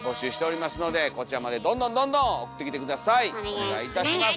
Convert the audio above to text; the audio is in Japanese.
お願いいたします。